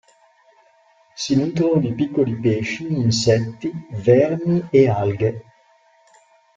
Si nutrono di piccoli pesci, insetti, vermi e alghe.